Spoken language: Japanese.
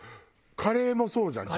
カレーもそうじゃん。